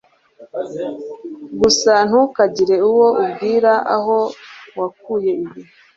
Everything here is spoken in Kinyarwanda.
Gusa ntukagire uwo ubwira aho wakuye ibi.